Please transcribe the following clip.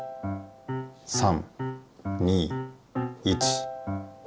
３２１。